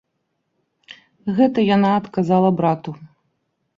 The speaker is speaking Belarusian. Гэта яна адказала брату.